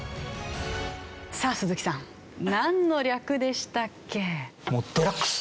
さあ鈴木さんなんの略でしたっけ？